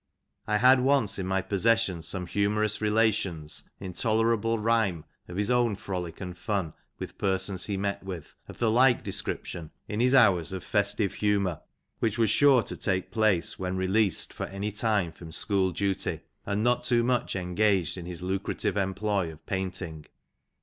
I had once in my possession some humourous relations in tolerable rhyme, of his own frolic and fun with persons he met with, of the like description, in his hours of festive humour, which was sure to take place, when released for any time from school duty, and not too much engaged in his lucrative employment of painting.